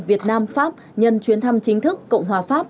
việt nam pháp nhân chuyến thăm chính thức cộng hòa pháp